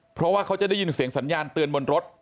เพราะว่าเขาจะได้ยินเสียงสัญญาณเตือนบนรถ